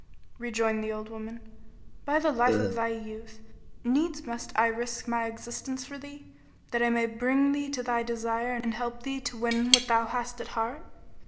Rejoined the old woman, "By the life of thy youth, needs must I risk my existence for thee, that I may bring thee to thy desire and help thee to win what thou hast at heart!"